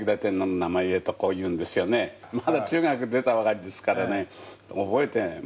まだ中学を出たばかりですからね、覚えていない。